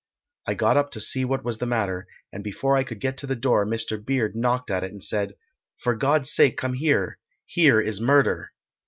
I got up to see what was the matter, and before I could get to the door Mr Beard knocked at it and said, "For God's sake come here here is murder."